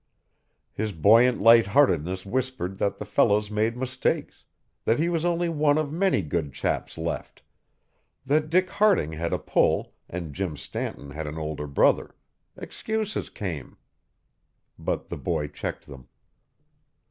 His buoyant lightheartedness whispered that the fellows made mistakes; that he was only one of many good chaps left; that Dick Harding had a pull and Jim Stanton had an older brother excuses came. But the boy checked them.